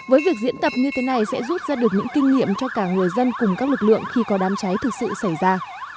với việc diễn tập như thế này sẽ rút ra được những kinh nghiệm cho cả người dân cùng các lực lượng khi có đám cháy thực sự xảy ra